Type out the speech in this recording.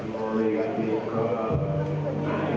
สวัสดีครับ